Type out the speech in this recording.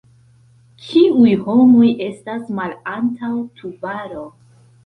Kiuj homoj estas malantaŭ Tubaro?